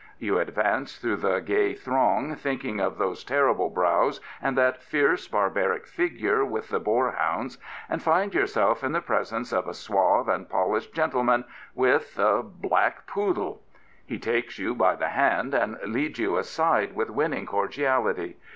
You advance through the gay throng thinking of those terrible brows and that fierce, barbaric figure with the boarhpunds, and find yourself in the presence of a suave and polished gentleman with — a black poodle. He takes you by the hand and leads you aside with winning cordiality.